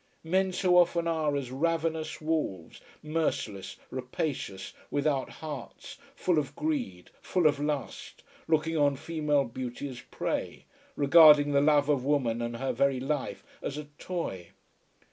Men so often are as ravenous wolves, merciless, rapacious, without hearts, full of greed, full of lust, looking on female beauty as prey, regarding the love of woman and her very life as a toy!